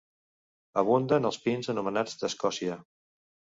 Abunden els pins anomenats d'Escòcia.